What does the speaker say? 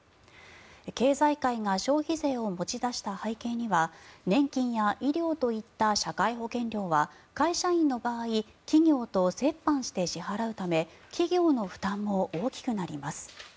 経済界が消費税を持ち出した背景には年金や医療といった社会保険料は会社員の場合企業と折半して支払うため企業の負担も大きくなります。